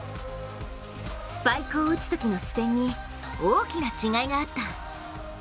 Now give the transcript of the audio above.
スパイクを打つときの視線に大きな違いがあった。